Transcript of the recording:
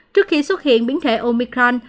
trước khi xuất hiện biến thể omicron